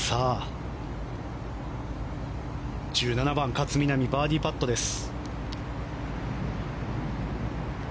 １７番、勝みなみバーディーパットです。